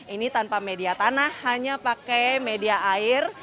ini tanpa media tanah hanya pakai media air